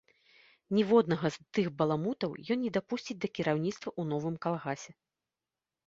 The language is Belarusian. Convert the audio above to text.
Ніводнага з тых баламутаў ён не дапусціць да кіраўніцтва ў новым калгасе.